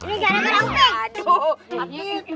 ini garam garam iping